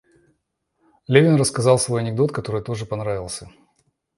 Левин рассказал свой анекдот, который тоже понравился.